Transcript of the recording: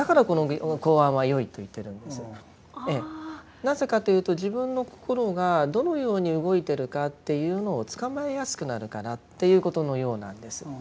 なぜかというと自分の心がどのように動いてるかっていうのをつかまえやすくなるからっていうことのようなんです。